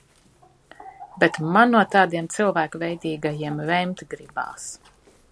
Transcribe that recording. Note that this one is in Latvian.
Bet man no tādiem cilvēkveidīgajiem vemt gribās.